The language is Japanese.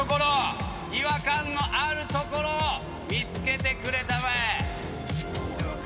違和感のあるところを見つけてくれたまえ。